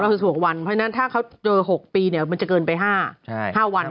๑๖วันเพราะฉะนั้นถ้าเขาเจอ๖ปีมันจะเกินไป๕วัน